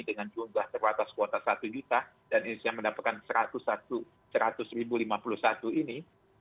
dengan jumlah terbatas kuota satu juta dan insinyur yang mendapatkan rp seratus rp satu lima puluh satu ini